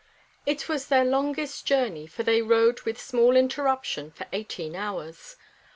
XII It was their longest journey, for they rode with small interruption for eighteen hours.